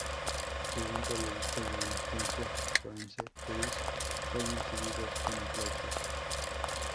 Según periodistas de la Agencia France Press fueron recibidos con aplausos.